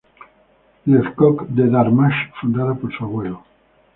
Le Coq" de Darmstadt, fundada por su abuelo.